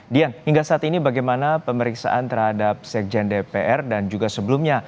dian hingga saat ini bagaimana pemeriksaan terhadap sekjen dpr dan juga sebelumnya